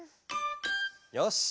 よし！